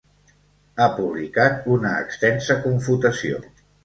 Ha publicat una extensa confutació.